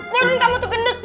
bawang kamu tuh gendut